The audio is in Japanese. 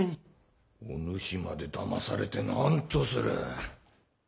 お主までだまされて何とする。